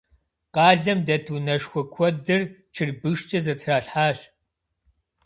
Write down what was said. Къалэм дэт унэшхуэ куэдыр чырбышкӏэ зэтралъхьащ.